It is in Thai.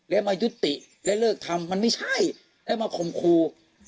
แล้วมายุติและเลิกทำมันไม่ใช่แล้วมาข่มครู